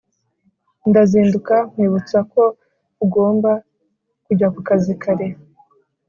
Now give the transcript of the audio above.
Ndazinduka nkwibutsa ko ugomba kujya kukazi kare